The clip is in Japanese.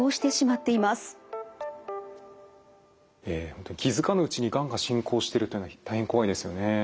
そのため気付かぬうちにがんが進行しているというのは大変怖いですよね。